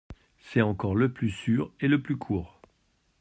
C'est encore le plus sûr et le plus court.